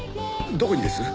どこにです？